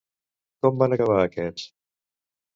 Com van acabar aquests?